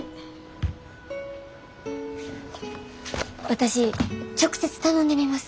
私直接頼んでみます。